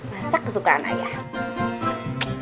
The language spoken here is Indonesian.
masak kesukaan ayah